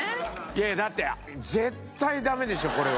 だって絶対ダメでしょこれは。